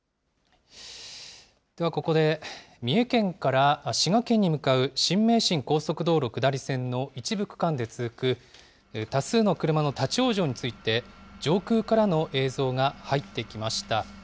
ではここで、三重県から滋賀県に向かう新名神高速道路下り線の一部区間で続く多数の車の立往生について、上空からの映像が入ってきました。